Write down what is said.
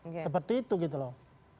seperti itu gitu loh